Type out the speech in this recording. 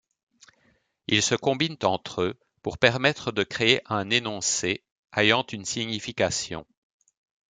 Ils se combinent entre eux pour permettre de créer un énoncé ayant une signification.